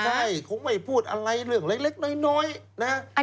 ใช่คงไม่พูดอะไรเรื่องเล็กน้อยนะ